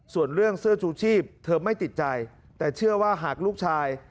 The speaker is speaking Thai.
ส่วนเรื่องเสื้อชูชีพเธอไม่ติดใจแต่เชื่อว่าหากลูกชาย